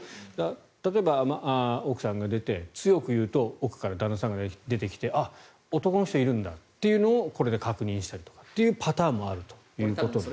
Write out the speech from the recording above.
例えば奥さんが出て強く言うと奥から旦那さんが出てきて男の人がいるんだというのをこれで確認したりとかというパターンもあるということですね。